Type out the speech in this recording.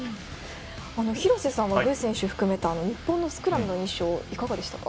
廣瀬さんは具選手も含めた日本のスクラムの印象どうでしたか？